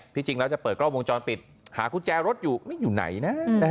ที่จริงแล้วจะเปิดกล้องวงจรปิดหากุญแจรถอยู่ไม่อยู่ไหนนะ